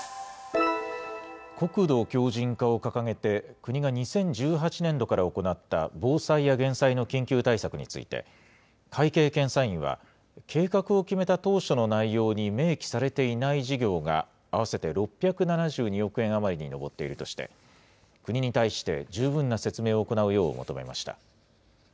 国土強じん化を掲げて、国が２０１８年度から行った防災や減災の緊急対策について、会計検査院は、計画を決めた当初の内容に明記されていない事業が合わせて６７２億円余りに上っているとして、国に対して十分な説明を行うよう求めました。